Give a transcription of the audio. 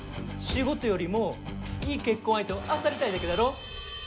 仕事よりもいい結婚相手をあさりたいだけだろ？